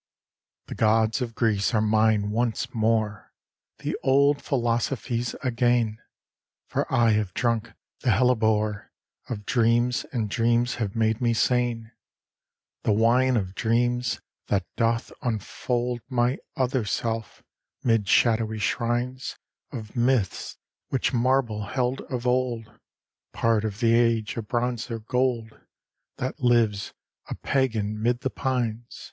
II The gods of Greece are mine once more! The old philosophies again! For I have drunk the hellebore Of dreams, and dreams have made me sane The wine of dreams! that doth unfold My other self, 'mid shadowy shrines Of myths which marble held of old, Part of the Age of Bronze or Gold, That lives, a pagan, 'mid the pines.